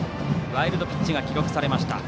ワイルドピッチが記録されました。